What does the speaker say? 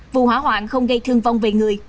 vụ hỏa hoạn không gây thương vong về người